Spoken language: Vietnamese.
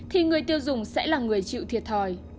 thì người tiêu dùng sẽ là người chịu thiệt thòi